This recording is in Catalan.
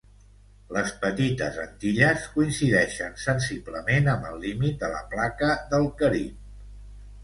Les Petites Antilles coincideixen sensiblement amb el límit de la Placa del Carib.